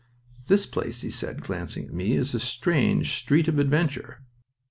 "This place," he said, glancing at me, "is a strange Street of Adventure."